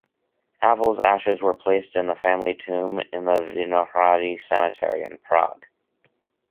Havel's ashes were placed in the family tomb in the Vinohrady Cemetery in Prague.